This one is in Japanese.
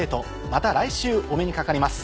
また来週お目にかかります。